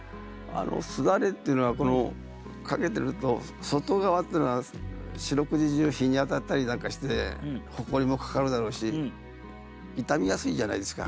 簾っていうのは掛けてると外側っていうのは四六時中日に当たったりなんかしてほこりもかかるだろうし傷みやすいじゃないですか。